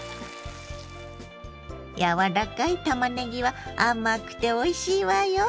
柔らかいたまねぎは甘くておいしいわよ。